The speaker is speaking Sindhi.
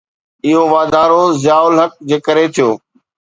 اهو واڌارو ضياءُ الحق جي ڪري ٿيو؟